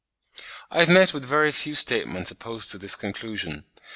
I have met with very few statements opposed to this conclusion.